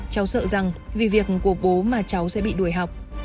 cháu sợ rằng vì việc của bố mà cháu sẽ bị đuổi học